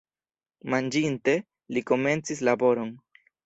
Manĝinte, li komencis laboron.